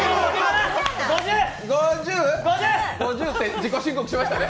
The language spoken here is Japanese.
自己申告しましたね。